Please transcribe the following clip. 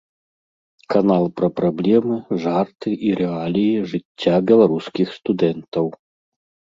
Канал пра праблемы, жарты і рэаліі жыцця беларускіх студэнтаў.